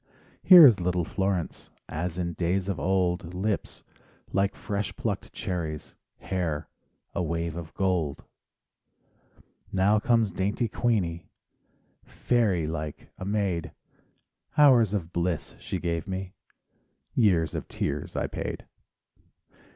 Here is little Florence, As in days of old: Lips — like fresh plucked cherries, Hair—a wave of gold. Now comes dainty Queenie, Fairy like a maid; Hours of bliss she gave me, Years of tears I paid.